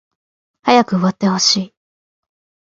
早く終わってほしい